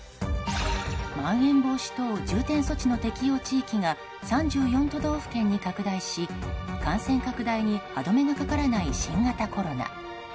まん延防止等重点措置の適用地域が３４都道府県に拡大し感染拡大に歯止めがかからない新型コロナ。